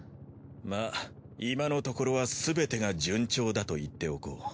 まあ今のところはすべてが順調だと言っておこう。